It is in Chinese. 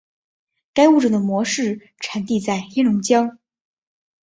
该物种的模式产地在黑龙江。